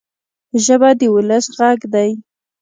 ژبه د ولس ږغ دی.